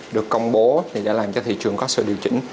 được công bố thì đã làm cho thị trường có sự điều chỉnh